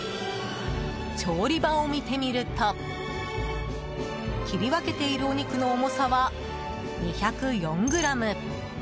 調理場を見てみると切り分けているお肉の重さは２０４ｇ。